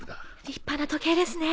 立派な時計ですね。